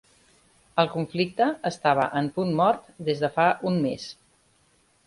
El conflicte estava en punt mort des de fa un mes